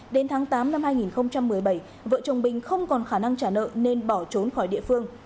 đến tháng tám năm hai nghìn một mươi bảy vợ chồng bình không còn khả năng trả nợ nên bỏ trốn khỏi địa phương